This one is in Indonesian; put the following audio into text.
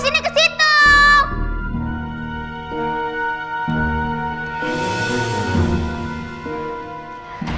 hai mbak gigi